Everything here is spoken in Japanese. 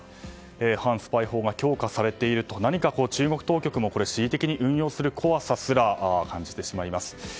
反スパイ法が強化されていると何か中国当局も恣意的に運用する怖さすら感じてしまいます。